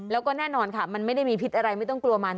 แล้วก็แน่นอนค่ะมันไม่ได้มีพิษอะไรไม่ต้องกลัวมัน